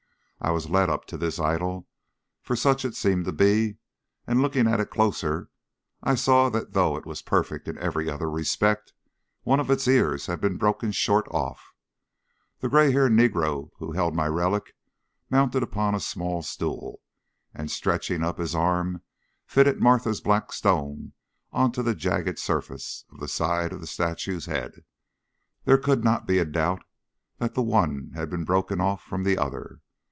I was led up to this idol, for such it seemed to be, and looking at it closer I saw that though it was perfect in every other respect, one of its ears had been broken short off. The grey haired negro who held my relic mounted upon a small stool, and stretching up his arm fitted Martha's black stone on to the jagged surface on the side of the statue's head. There could not be a doubt that the one had been broken off from the other.